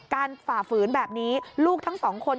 ฝ่าฝืนแบบนี้ลูกทั้งสองคน